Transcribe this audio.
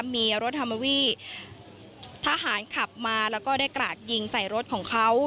มีรถฮัมวี่ทหารขับมาแล้วก็ได้กราดยิงใส่รถของเขา